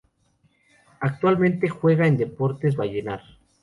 Actualmente juega en Deportes Vallenar.